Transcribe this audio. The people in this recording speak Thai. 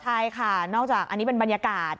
ใช่ค่ะนอกจากอันนี้เป็นบรรยากาศ